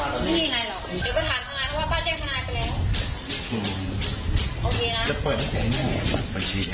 โอเคนะมันจะเปิดเก่งแน่บัญชีอ่ะ